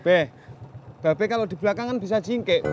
peh bape kalau di belakang kan bisa jingkek